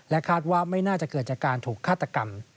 คาดว่าไม่น่าจะเกิดจากการถูกฆาตกรรม